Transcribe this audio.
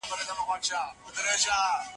یوازینی لاره د ناپوهي د مخنیوی لپاره مطالعه ده.